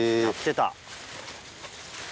やってた。